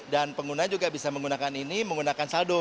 pengguna juga bisa menggunakan ini menggunakan saldo